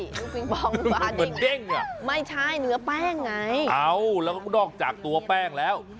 ปิงปองปลาเด้งอ่ะไม่ใช่เนื้อแป้งไงเอาแล้วก็นอกจากตัวแป้งแล้ว